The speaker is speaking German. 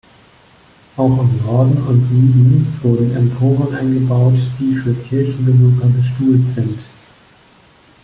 Auch im Norden und Süden wurden Emporen eingebaut, die für Kirchenbesucher bestuhlt sind.